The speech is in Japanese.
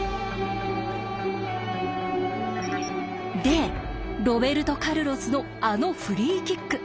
でロベルト・カルロスのあのフリーキック。